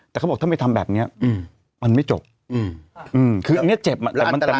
แต่เขาบอกถ้าไม่ทำแบบเนี้ยอืมมันไม่จบอืมคืออันเนี้ยเจ็บอ่ะแต่มันเต็ม